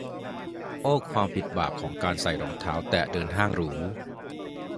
โอ้ ความผิดบาปของการใส่รองเท้าแตะเดินห้างหรู